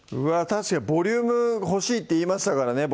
確かにボリューム欲しいって言いましたからね